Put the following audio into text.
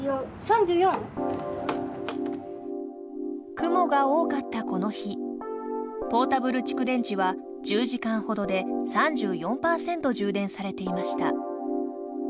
雲が多かったこの日ポータブル蓄電池は１０時間ほどで３４％充電されていました。